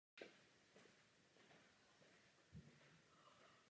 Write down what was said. Co čekáte?